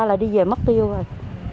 là đi về mất tiêu rồi